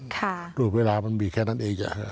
รูปเวลามันมีแค่นั้นเอง